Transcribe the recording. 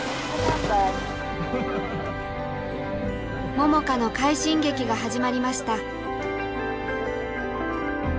桃佳の快進撃が始まりました。